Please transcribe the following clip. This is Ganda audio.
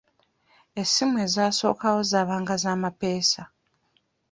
Essimu ezasookawo zaabanga za mapeesa.